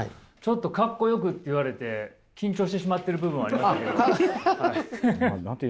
ちょっと「かっこよく」って言われて緊張してしまっている部分ありますけれど。